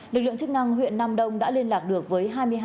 lực lượng chức năng huyện nam đông đã liên lạc được với hai mươi hai